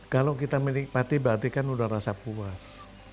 kalau kita menikmati berarti kan udah rasa puas